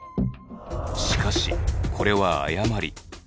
しかしこれは誤り。